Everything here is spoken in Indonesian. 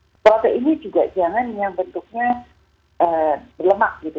dan produk ini juga jangan yang bentuknya berlemak gitu